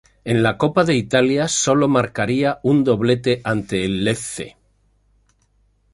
En la Copa de Italia, solo marcaría un doblete ante el Lecce.